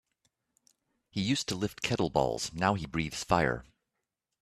He used to lift kettlebells now he breathes fire.